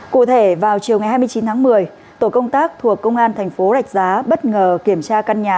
cụ thể vào chiều ngày hai mươi chín tháng một mươi tổ công tác thuộc công an thành phố rạch giá bất ngờ kiểm tra căn nhà